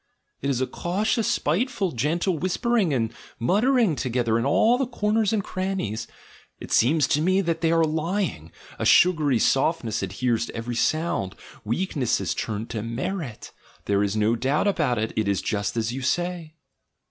It is a cautious, spiteful, gentle whispering and muttering together in all the corners and crannies. It seems to me that they are lying; a sugary softness adheres to every sound. Weak ness is turned to merit, there is no doubt about it — it is just as ycu say."